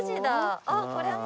あっこれも。